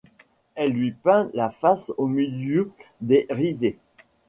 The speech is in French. Elle lui peint la face au milieu des risées